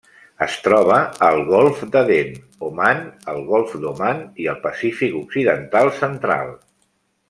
Es troba al Golf d'Aden, Oman, el Golf d'Oman i el Pacífic occidental central.